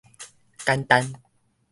簡單